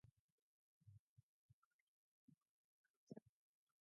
Pyruvate is a key intersection in the network of metabolic pathways.